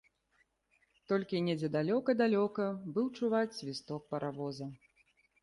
Толькі недзе далёка-далёка быў чуваць свісток паравоза.